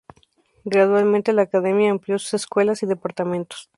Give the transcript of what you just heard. Gradualmente, la academia amplió sus escuelas y departamentos.